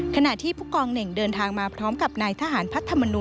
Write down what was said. ขณะที่ผู้กองเหน่งเดินทางมาพร้อมกับนายทหารพัฒนูล